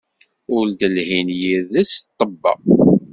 Ur d-lhin yid-s ṭṭebba.